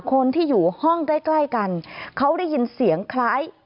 คนที่อยู่ห้องใกล้ใกล้กันเขาได้ยินเสียงคล้าย